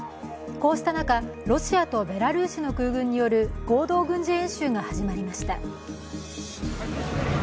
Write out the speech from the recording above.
こうした中ロシアとベラルーシの空軍による合同軍事演習が始まりました。